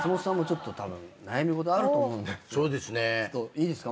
いいですか？